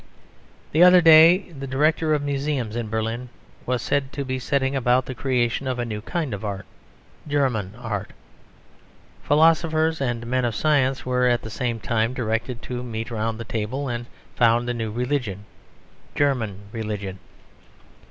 The other day the Director of Museums in Berlin was said to be setting about the creation of a new kind of Art: German Art. Philosophers and men of science were at the same time directed to meet round the table and found a new Religion: German Religion.